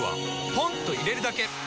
ポンと入れるだけ！